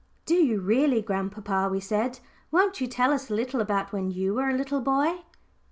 "Do you really, grandpapa?" we said. "Won't you tell us a little about when you were a little boy?"